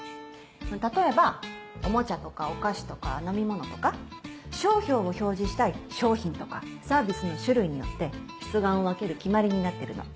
例えばおもちゃとかお菓子とか飲み物とか。商標を表示したい商品とかサービスの種類によって出願を分ける決まりになってるの。